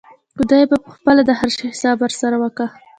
خداى به پخپله د هر شي حساب ورسره وکا.